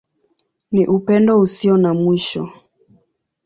Ni Upendo Usio na Mwisho.